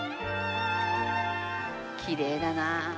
きれいだな。